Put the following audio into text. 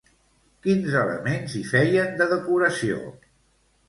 Quins elements hi feien de decoració?